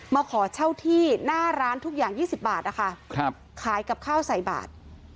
มาขอเช่าที่หน้าร้านทุกอย่าง๒๐บาทนะคะขายกับข้าวใส่บาท